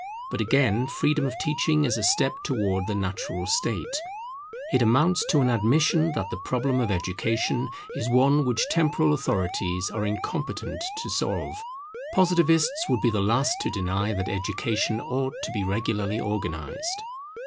But again, freedom of teaching is a step towards the normal state; it amounts to an admission that the problem of education is one which temporal authorities are incompetent to solve. Positivists would be the last to deny that education ought to be regularly organized.